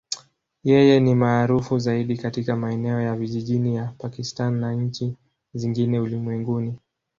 Yeye ni maarufu zaidi katika maeneo ya vijijini ya Pakistan na nchi zingine ulimwenguni.